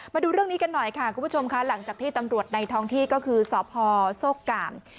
มาดูเรื่องนี้กันหน่อยค่ะคุณผู้ชมค่ะหลังจากที่ตำรวจในท้องที่ก็คือสพโซกกาม